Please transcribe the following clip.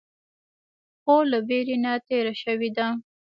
خور له ویرې نه تېره شوې ده.